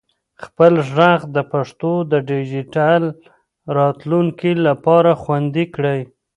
خپل ږغ د پښتو د ډیجیټل راتلونکي لپاره خوندي کړئ.